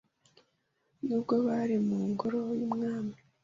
N’ubwo bari mu ngoro y’umwami